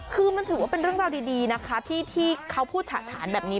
คือมันถือว่าเป็นเรื่องราวดีนะคะที่เขาพูดฉะฉานแบบนี้